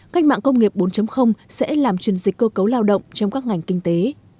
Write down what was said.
cách mạng công nghiệp bốn sẽ làm truyền dịch cơ cấu lao động trong các ngành kinh tế